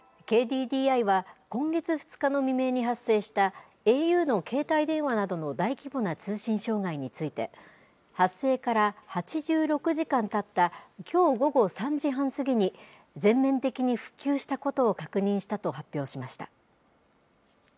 ＫＤＤＩは、今月２日の未明に発生したａｕの携帯電話などの大規模な通信障害について、発生から８６時間たったきょう午後３時半過ぎに、全面的に復旧したことを確認したと発表しました。